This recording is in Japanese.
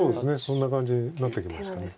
そんな感じになってきました。